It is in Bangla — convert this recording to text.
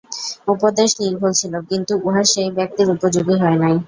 উপদেশ নির্ভুল ছিল, কিন্তু উহা সেই ব্যক্তির উপযোগী হয় নাই।